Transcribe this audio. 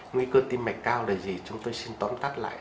nguy cơ tim mạch cao là gì chúng tôi xin tóm tắt lại